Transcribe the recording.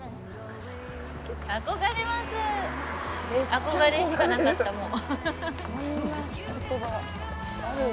憧れしかなかった、もう。